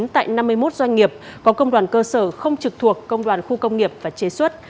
tại năm mươi một doanh nghiệp có công đoàn cơ sở không trực thuộc công đoàn khu công nghiệp và chế xuất